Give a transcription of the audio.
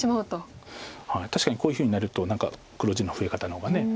確かにこういうふうになると何か黒地の増え方のほうが。